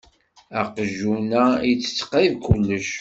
Aqjun-a itett qrib kullec.